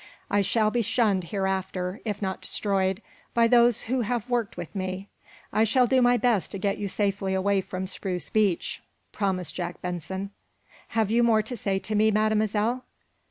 I shall be shunned, hereafter, if not destroyed, by those who have worked with me." "I shall do my best to get you safely away from Spruce Beach," promised Jack Benson. "Have you more to say to me, Mademoiselle?"